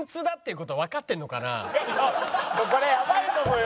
これやばいと思うよ。